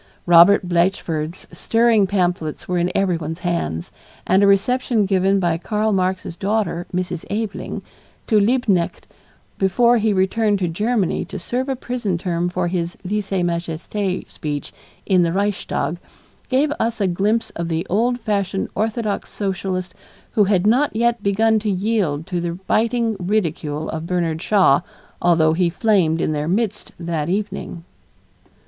Robert Blatchford's stirring pamphlets were in everyone's hands, and a reception given by Karl Marx's daughter, Mrs. Aveling, to Liebknecht before he returned to Germany to serve a prison term for his lese majeste speech in the Reichstag, gave us a glimpse of the old fashioned orthodox Socialist who had not yet begun to yield to the biting ridicule of Bernard Shaw although he flamed in their midst that evening.